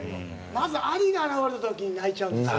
まずアリが現れた時に泣いちゃうんですよね。